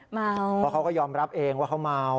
เมาเพราะเขาก็ยอมรับเองว่าเขาเมา